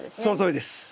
そのとおりです。